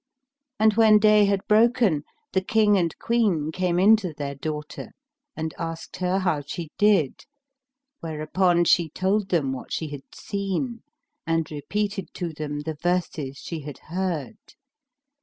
And when day had broke the King and Queen came in to their daughter and asked her how she did. whereupon she told them what she had seen, and repeated to them the verses she had heard.